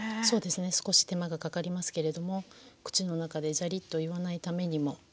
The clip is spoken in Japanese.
そうですね少し手間がかかりますけれども口の中でジャリッと言わないためにも。